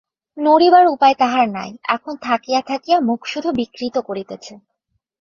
নড়িবার উপায় তাহার নাই, এখন থাকিয়া থাকিয়া মুখ শুধু বিকৃত করিতেছে।